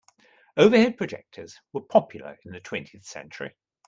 Overhead projectors were popular in the twentieth century.